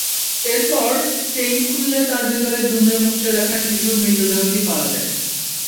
এরপর চেইন খুললে তার ভেতরে দুমড়ে–মুচড়ে রাখা শিশুর মৃতদেহটি পাওয়া যায়।